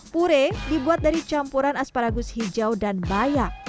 puree dibuat dari campuran asparagus hijau dan bayam